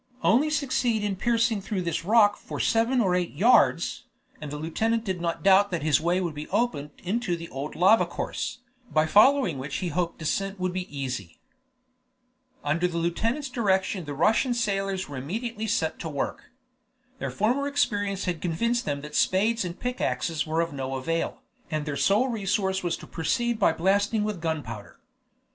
Only succeed in piercing through this rock for seven or eight yards, and the lieutenant did not doubt that his way would be opened into the old lava course, by following which he hoped descent would be easy. Under the lieutenant's direction the Russian sailors were immediately set to work. Their former experience had convinced them that spades and pick axes were of no avail, and their sole resource was to proceed by blasting with gunpowder.